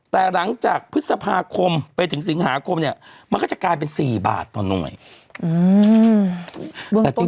แต่หลังจากพฤษภาคมไปถึงสิงหาคมเนี่ยมันก็จะกลายเป็น๔บาทต่อหน่วย